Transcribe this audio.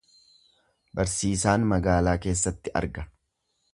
Barsiisaan magaalaa keessatti arga.